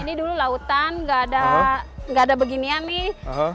ini dulu lautan gak ada beginian nih